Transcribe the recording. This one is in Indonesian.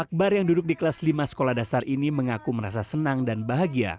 akbar yang duduk di kelas lima sekolah dasar ini mengaku merasa senang dan bahagia